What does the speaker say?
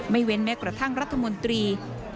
ไม่เว้นแม้กระทั่งรัฐมนตรีว่าที่หัวหน้า